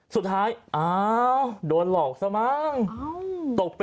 สุดท้ายคุณผู้หญิงดูแล